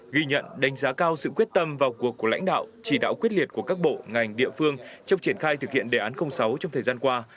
ghi nhận đánh giá cao sự quyết tâm vào cuộc của lãnh đạo chỉ đạo quyết liệt của các bộ ngành địa phương trong triển khai thực hiện đề án sáu trong thời gian qua